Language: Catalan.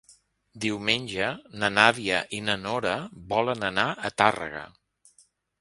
Diumenge na Nàdia i na Nora volen anar a Tàrrega.